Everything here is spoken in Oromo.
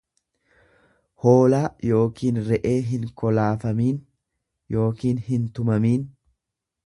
hoolaa yookiin re'ee hinkolaafamin yookiin hintumamin.